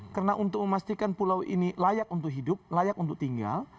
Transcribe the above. karena untuk memastikan pulau ini layak untuk hidup layak untuk tinggal